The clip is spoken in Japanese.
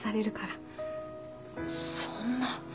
そんな。